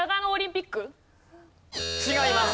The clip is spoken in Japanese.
違います。